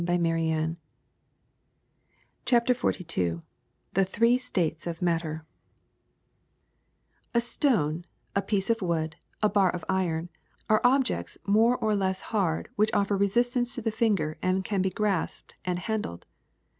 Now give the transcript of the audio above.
^^ a A CHAPTER XLII THE THREE STATES OF MATTER STONE, a piece of wood, a bar of iron, are ob jects more or less hard which offer resistance to the finger and can be grasped and handled.